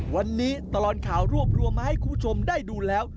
วันนี้ตลอดข่าวรวบรวมมาให้คุณผู้ชมได้ดูแล้ว